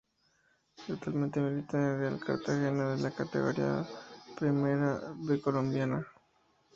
Actualmente milita en el Real Cartagena de la Categoría Primera B colombiana.